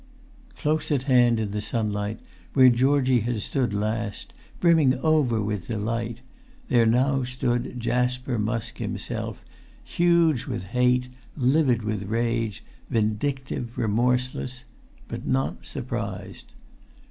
Close at hand in the sunlight, where Georgie had stood last, brimming over with delight, there now stood Jasper Musk himself, huge with hate, livid with rage, vindictive, remorseless—but not surprised.